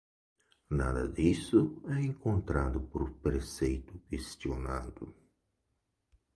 Nada disso é encontrado no preceito questionado.